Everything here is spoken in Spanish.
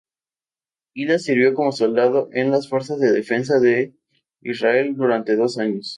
Hila sirvió como soldado en las Fuerzas de Defensa del Israel durante dos años.